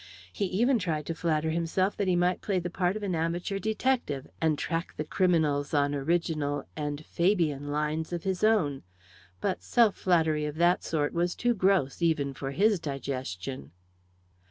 He even tried to flatter himself that he might play the part of an amateur detective, and track the criminals on original and Fabian! lines of his own; but self flattery of that sort was too gross even for his digestion.